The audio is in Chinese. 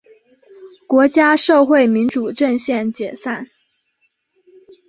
国家社会民主阵线解散。